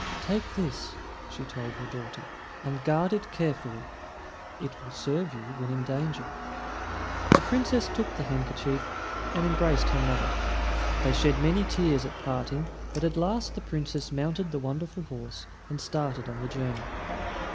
"Take this," she told her daughter, "and guard it carefully. It will serve you when in danger." The Princess took the handkerchief, and embraced her mother. They shed many tears at parting, but at last the Princess mounted the wonderful horse and started on the journey.